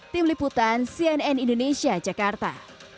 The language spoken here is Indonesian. tim liputan cnn indonesia jakarta